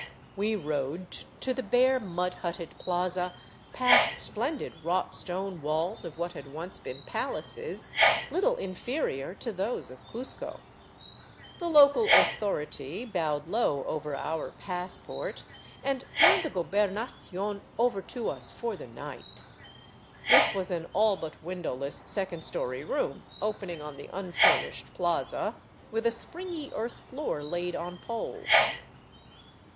We rode to the bare, mud hutted plaza past splendid wrought stone walls of what had once been palaces little inferior to those of Cuzco. The local " authority " bowed low over our passport " and turned the gohernacion over to us for the night. This was an all but window less second story room opening on the unfurnished plaza, with a springy earth floor laid on poles.